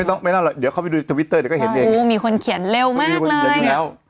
ไม่ต้องไม่ต้องเดี๋ยวเขาไปดูทวิตเตอร์เดี๋ยวก็เห็นเองอู้มีคนเขียนเร็วมากเลยอยู่แล้ว